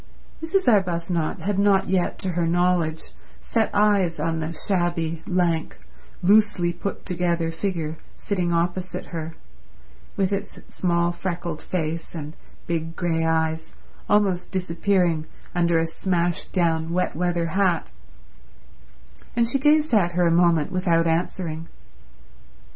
Mrs. Arbuthnot had not yet to her knowledge set eyes on the shabby, lank, loosely put together figure sitting opposite her, with its small freckled face and big grey eyes almost disappearing under a smashed down wet weather hat, and she gazed at her a moment without answering.